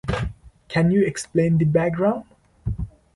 Can you explain the background?